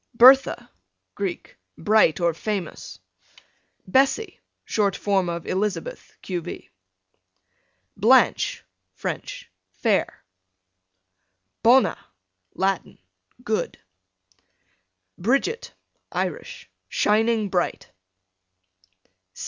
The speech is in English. Bertha, Greek, bright or famous. Bessie, short form of Elizabeth. q.v. Blanche, French, fair. Bona, Latin, good. Bridget, Irish, shining bright.